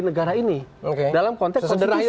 negara ini dalam konteks moderasi